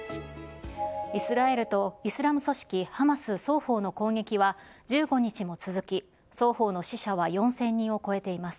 イスラエルとイスラム組織ハマス双方の攻撃は、１５日も続き、双方の死者は４０００人を超えています。